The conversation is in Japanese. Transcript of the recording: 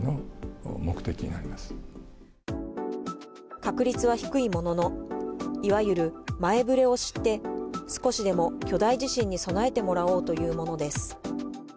確率は低いものの、いわゆる前ぶれを知って、少しでも巨大地震に備えてもらおうと言うものです。